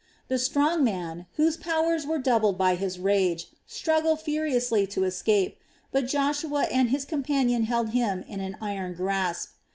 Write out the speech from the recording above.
The strong man, whose powers were doubled by his rage, struggled furiously to escape, but Joshua and his companion held him in an iron grasp.